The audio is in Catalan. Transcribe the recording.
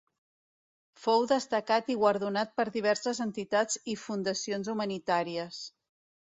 Fou destacat i guardonat per diverses entitats i fundacions humanitàries.